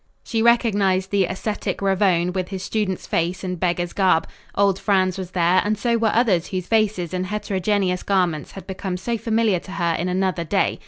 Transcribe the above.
She recognized the ascetic Ravone, with his student's face and beggar's garb. Old Franz was there, and so were others whose faces and heterogeneous garments had become so familiar to her in another day.